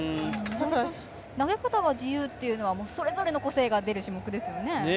投げ方が自由というのはそれぞれの個性が出る種目ですよね。